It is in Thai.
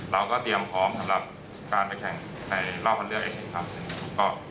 เราก็เตรียมพร้อมสำหรับการไปแข่งในรอบคันเลือกเองครับ